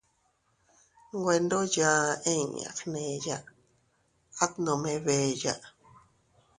Nwe ndo yaa inña gneya, at nome beeya.